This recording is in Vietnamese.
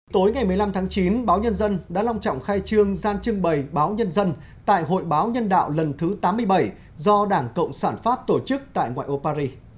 tối ngày một mươi năm tháng chín báo nhân dân đã long trọng khai trương gian trưng bày báo nhân dân tại hội báo nhân đạo lần thứ tám mươi bảy do đảng cộng sản pháp tổ chức tại ngoại ô paris